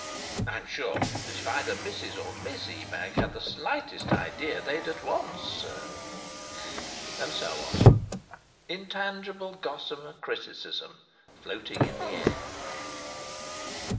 "I'm sure that if either Mrs or Miss Ebag had the slightest idea they'd at once " And so on. Intangible gossamer criticism, floating in the air!